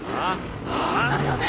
なるよね。